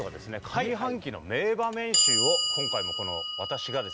上半期の名場面集を今回もこの私がですね